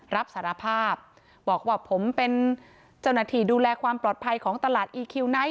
รับสารภาพบอกว่าผมเป็นเจ้าหน้าที่ดูแลความปลอดภัยของตลาดอีคิวไนท